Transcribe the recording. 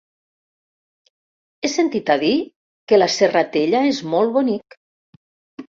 He sentit a dir que la Serratella és molt bonic.